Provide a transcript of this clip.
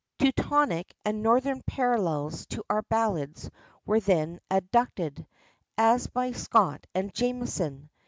Teutonic and Northern parallels to our ballads were then adduced, as by Scott and Jamieson.